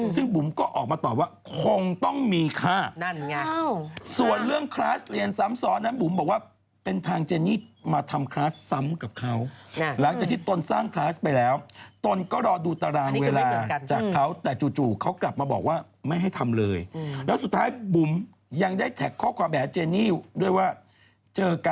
ซึ่งบุ๋มก็ออกมาตอบว่าคงต้องมีค่ะ